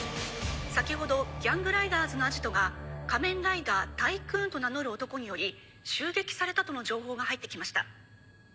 「先ほどギャングライダーズのアジトが仮面ライダータイクーンと名乗る男により襲撃されたとの情報が入ってきました」